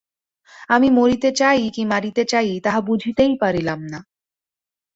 আমি মরিতে চাই কি মারিতে চাই, তাহা বুঝিতেই পারিলাম না।